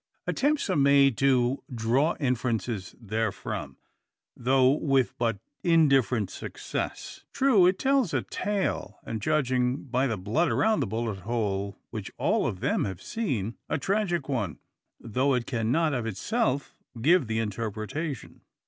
Attempts are made to draw inferences therefrom, though with but indifferent success. True, it tells a tale; and, judging by the blood around the bullet hole, which all of them have seen, a tragic one, though it cannot of itself give the interpretation.